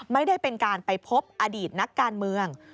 ไม่ได้เป็นการไปพบอดีตนักการเมือง